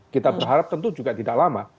kita berharap tentu juga tidak lama